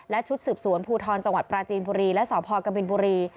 และชุดสืบสวนภูทรจังหวัดปราจีนบุรีและสพกบินบุรี